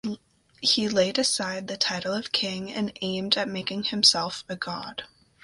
He laid aside the title of king and aimed at making himself a god.